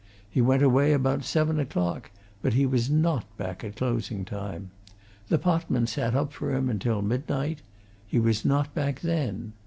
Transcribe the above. He went away about seven o'clock, but he was not back at closing time. The potman sat up for him until midnight: he was not back then.